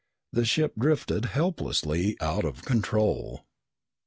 The ship drifted helplessly, out of control.